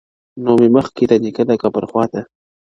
نو مي مخ کی د نیکه د قبر خواته-